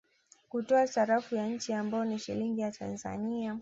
Kutoa sarafu ya nchi ambayo ni Shilingi ya Tanzania